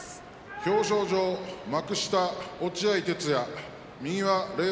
表彰状、幕下落合哲也令和